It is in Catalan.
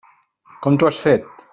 Com t'ho has fet?